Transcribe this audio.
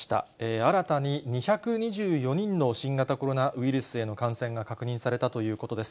新たに２２４人の新型コロナウイルスへの感染が確認されたということです。